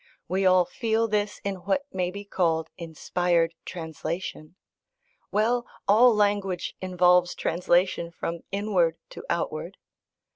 We all feel this in what may be called inspired translation. Well! all language involves translation from inward to outward.